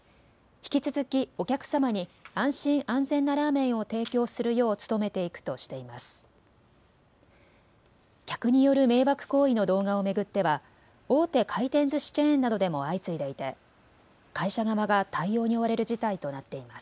引き続きお客様に安心・安全なラーメンを提供するよう努めていくとしています。